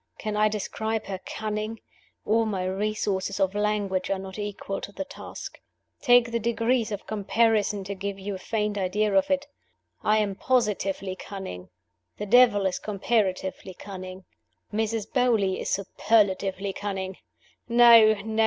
Can I describe her cunning? All my resources of language are not equal to the task. Take the degrees of comparison to give you a faint idea of it: I am positively cunning; the devil is comparatively cunning; Mrs. Beauly is superlatively cunning. No! no!